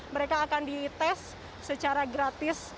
mereka akan dites secara gratis